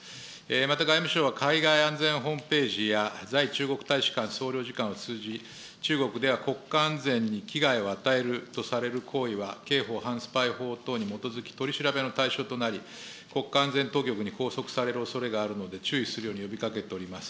また外務省は海外安全ホームページや、在中国大使館総領事館を通じ、中国では国家安全に危害を与えるとされる行為は刑法犯スパイ法等に基づき取り調べの対象となり、国家安全当局に拘束されるおそれがあるので、注意するように呼びかけております。